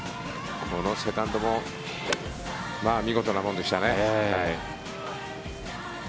このセカンドもまあ、見事なもんでしたね。